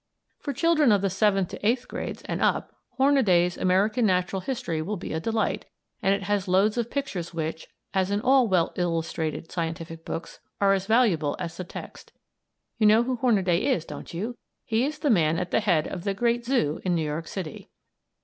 For children of the seventh to eighth grades, and up, Hornaday's "American Natural History" will be a delight, and it has loads of pictures which, as in all well illustrated scientific books, are as valuable as the text. You know who Hornaday is, don't you? He is the man at the head of the great Zoo in New York City.